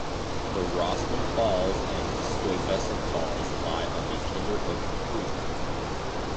The Rossman Falls and Stuyvesant Falls lie on the Kinderhook Creek.